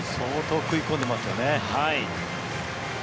相当食い込んでますよね。